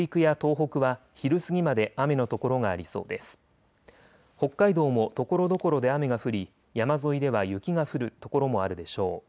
北海道もところどころで雨が降り山沿いでは雪が降る所もあるでしょう。